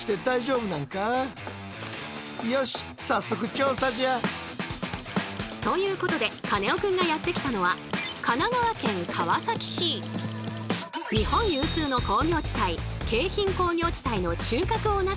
実際ということでカネオくんがやって来たのは日本有数の工業地帯京浜工業地帯の中核をなす街の一つ。